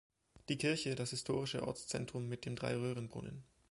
Die Kirche, das historische Ortszentrum mit dem Drei-Röhren-Brunnen.